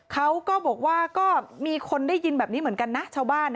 เขาก็บอกว่าก็มีคนได้ยินแบบนี้เหมือนกันนะชาวบ้าน